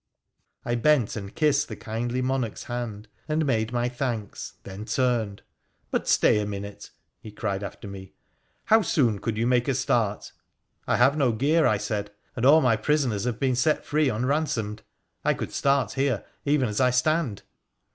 I bent and kissed the kindly monarch's hand, and made my thanks, then turned. ' But stay a minute !' he cried after me. ' How soon could you make a start ?'' I have no gear,' I said, ' and all my prisoners have been set free unransomed. I could start here, even as I stand.'